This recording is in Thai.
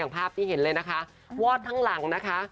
ภาพที่เห็นเลยนะคะวอดทั้งหลังนะคะ